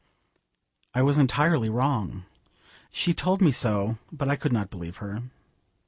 I was entirely wrong. She told me so, but I could not believe her.